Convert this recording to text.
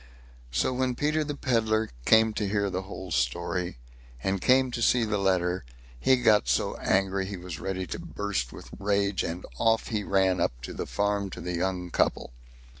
So when Peter the Pedlar came to hear the whole story, and came to see the letter, he got so angry he was ready to burst with rage, and off he ran up to the farm to the young couple.